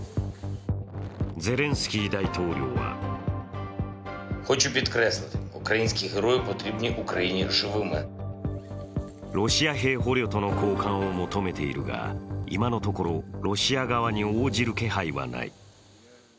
ゼレンスキー大統領はロシア兵捕虜との交換を求めているが今のところロシア側に応じる気配はない。